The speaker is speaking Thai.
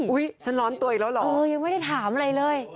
ฉันร้อนตัวอีกแล้วเหรอเออยังไม่ได้ถามอะไรเลย